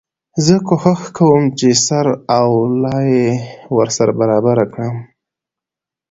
زه کوښښ کوم چي سر او لای يې ورسره برابر کړم.